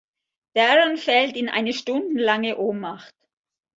Darren fällt in eine stundenlange Ohnmacht.